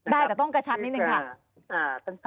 ได้แต่ต้องกระชับนิดนึงค่ะ